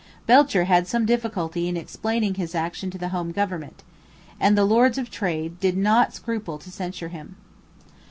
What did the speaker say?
Belcher had some difficulty in explaining his action to the home government. And the Lords of Trade did not scruple to censure him.